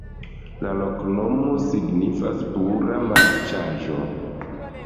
La loknomo signifas: pura-marĉaĵo.